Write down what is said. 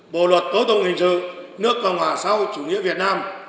bộ luật tố tụng hình sự nước và hòa sau chủ nghĩa việt nam